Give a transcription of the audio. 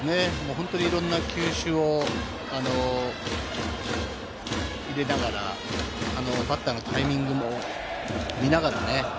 本当にいろんな球種を入れながら、バッターのタイミングも見ながらね。